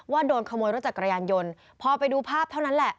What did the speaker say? โดนขโมยรถจักรยานยนต์พอไปดูภาพเท่านั้นแหละ